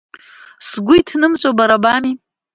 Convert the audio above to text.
Сгәы иҭнымҵәо бара бами?